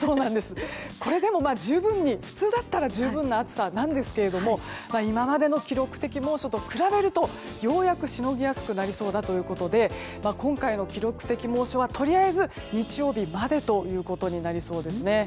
これでも普通だったら十分な暑さなんですが今までの記録的猛暑と比べるとようやくしのぎやすくなりそうだということで今回の記録的猛暑はとりあえず日曜日までになりそうです。